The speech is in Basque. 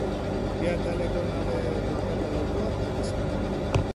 Bi ataleko nabe bakarra dauka elizak.